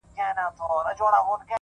گراني دې ځاى كي دغه كار وچاته څه وركوي!!